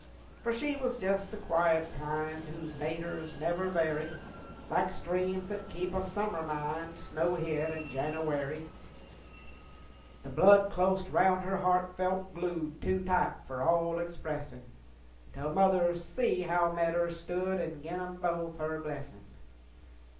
For she was jes' the quiet kind Whose naturs never vary, Like streams that keep a summer mind Snowhid in Jenooary. The blood clost roun' her heart felt glued Too tight for all expressin', Tell mother see how metters stood, An' gin 'em both her blessin'.